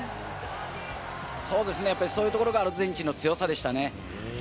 そうですね、やっぱり、そういうところがアルゼンチンの強さでしたね。